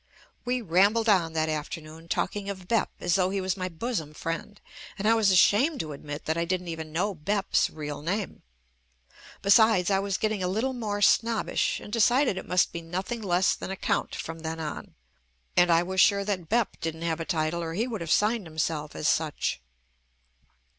We rambled on that after noon talking of "Bep" as though he was my bosom friend, and I was ashamed to admit that I didn't even know "Bep's" real name. Be sides, I was getting a little more snobbish and decided it jmust be nothing less than a count JUST ME from then on, and I was sure that "Bep" didn't have a title or he would have signed himself as such.